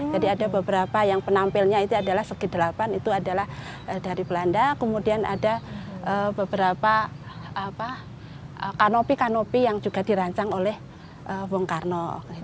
jadi ada beberapa yang penampilnya itu adalah segi delapan itu adalah dari belanda kemudian ada beberapa kanopi kanopi yang juga dirancang oleh bung karno